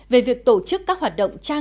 về việc tổ chức các hoạt động tổ chức